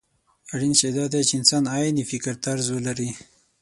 اړين شی دا دی چې انسان عيني فکرطرز ولري.